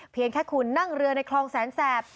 เพียงแค่คุณนั่งเรือในคลองแสนแสบ